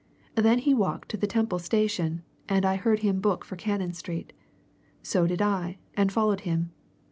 Then he walked to the Temple Station, and I heard him book for Cannon Street. So did I, and followed him.